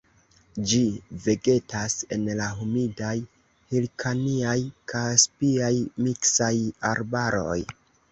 Ĝi vegetas en la humidaj hirkaniaj-kaspiaj miksaj arbaroj.